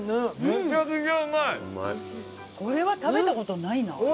これは食べた事ないな。